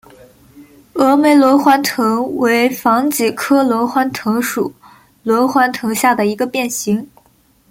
峨眉轮环藤为防己科轮环藤属轮环藤下的一个变型。